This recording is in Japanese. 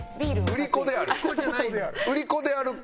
「売り子である」